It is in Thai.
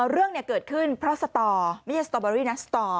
เรื่องเกิดขึ้นเพราะสตอไม่ใช่สตอเบอรี่นะสตอ